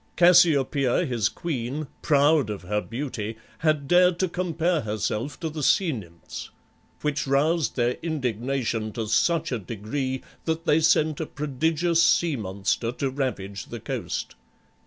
Cassiopeia his queen, proud of her beauty, had dared to compare herself to the Sea Nymphs, which roused their indignation to such a degree that they sent a prodigious sea monster to ravage the coast.